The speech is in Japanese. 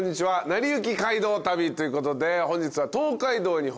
『なりゆき街道旅』ということで本日は。